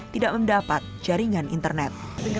tidak mendapat jaringan internet